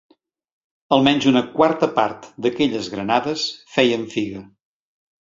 Almenys una quarta part d'aquelles granades feien figa